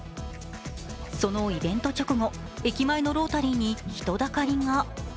そのイベント直後、駅前のロータリーに人だかりが。